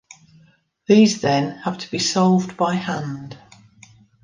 These then have to be solved by hand.